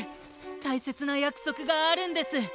たいせつなやくそくがあるんです！